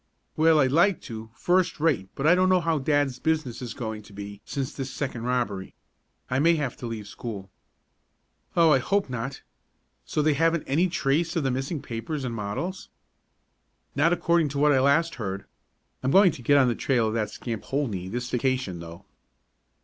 "Well, I'd like to, first rate but I don't know how dad's business is going to be since this second robbery. I may have to leave school." "Oh, I hope not. So they haven't any trace of the missing papers and models?" "Not according to what I last heard. I'm going to get on the trail of that scamp, Holdney, this vacation, though."